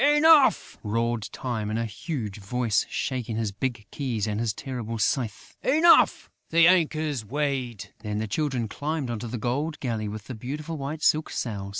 Enough!" roared Time, in a huge voice, shaking his big keys and his terrible scythe, "Enough! The anchor's weighed...." Then the Children climbed into the gold galley, with the beautiful white silk sails.